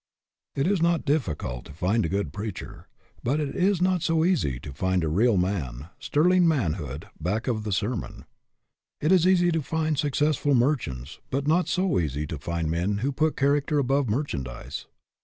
It is not difficult to find a good preacher ; but it is not so easy to find a real man, sterling man hood, back of the sermon. It is easy to find successful merchants, but not so easy to find men who put character above merchandise.